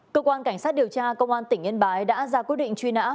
cơ quan cảnh sát điều tra công an tỉnh yên bái đã ra quyết định truy nã